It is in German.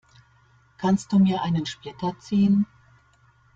Kannst du mir einen Splitter ziehen?